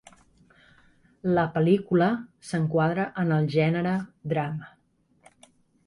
La pel·lícula s'enquadra en el gènere drama.